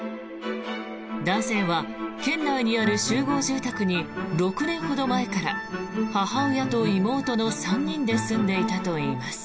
男性は県内にある集合住宅に６年ほど前から母親と妹の３人で住んでいたといいます。